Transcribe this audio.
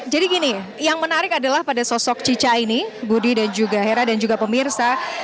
jadi gini yang menarik adalah pada sosok cica ini budi dan juga hera dan juga pemirsa